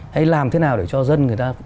hay làm thế nào để cho dân người ta